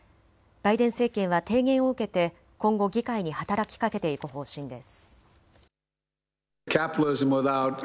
バイデン政権は提言を受けて今後、議会に働きかけていく方針です。